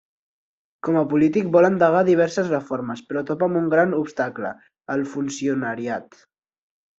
Com a polític vol endegar diverses reformes però topa amb un gran obstacle: el funcionariat.